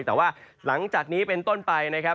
แต่ว่าหลังจากนี้เป็นต้นไปนะครับ